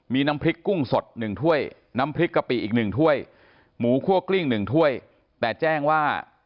มีน้ำพริกกุ้งสด๑ถ้วยน้ำพริกกะปิอีก๑ถ้วยหมูคั่วกลิ้ง๑ถ้วยแต่แจ้งว่า